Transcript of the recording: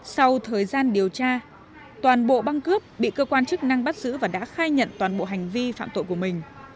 sau thời gian điều tra toàn bộ băng cướp bị cơ quan chức năng bắt giữ và đã khai nhận toàn bộ hành vi phạm tội của mình